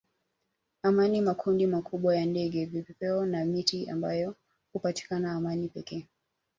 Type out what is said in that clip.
amani makundi makubwa ya ndege vipepeo na miti ambayo hupatikana amani pekee